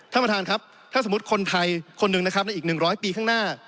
ท่านประธานครับถ้าสมมุติคนไทยคนหนึ่งนะครับในอีก๑๐๐ปีข้างหน้า